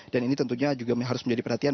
dan ini tentunya juga harus menjadi perhatian